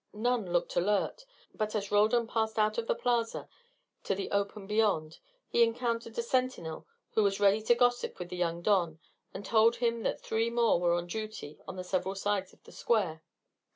None looked alert, but as Roldan passed out of the plaza to the open beyond, he encountered a sentinel who was ready to gossip with the young don and told him that three more were on duty on the several sides of the square.